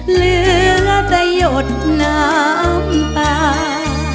เหลือจะหยดน้ำตา